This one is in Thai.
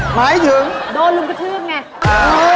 หมายถึงโดนลุมกระถือกไงโอ้โฮ